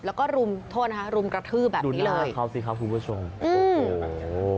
แล้วก็รุมโทษนะฮะรุมกระทื้อแบบนี้เลยดุ้นหน้าเขาสิครับคุณผู้ชมอืม